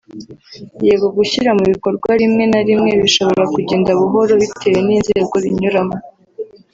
yego gushyira mu bikorwa rimwe na rimwe bishobora kugenda buhoro bitewe n’inzego binyuramo